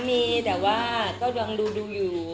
มีแต่ว่าเยี่ยมดูอยู่